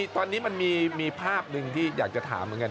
ตอนนี้มันมีภาพหนึ่งที่อยากจะถามเหมือนกัน